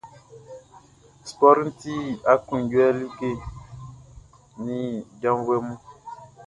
Spɔriʼn ti aklunjuɛ like nin janvuɛ mun.